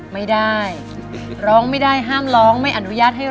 ไม่ได้ร้องไม่ได้ห้ามร้องไม่อนุญาตให้ร้อง